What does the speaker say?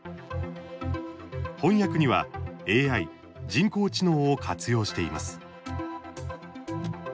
翻訳にはＡＩ人工知能を活用しています。